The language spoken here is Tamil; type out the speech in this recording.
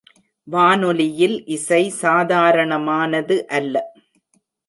வானொலியில் இசை சாதராணமானது அல்ல.